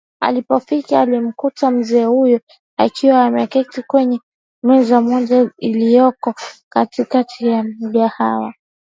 Alipofika alimkuta mzee huyo akiwa ameketi kwenye meza moja ilioko katikati ya mgahawa